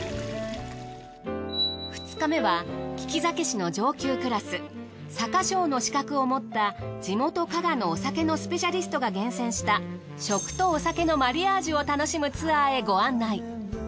２日目は利き酒師の上級クラス酒匠の資格を持った地元加賀のお酒のスペシャリストが厳選した食とお酒のマリアージュを楽しむツアーへご案内。